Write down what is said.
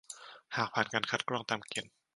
หากผ่านการคัดกรองตามเกณฑ์